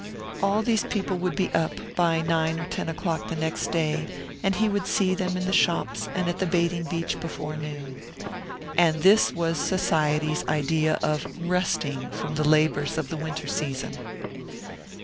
All these people would be up by nine or ten o'clock the next day, and he would see them in the shops and at the bathing beach before noon. And this was Society's idea of "resting" from the labours of the winter season!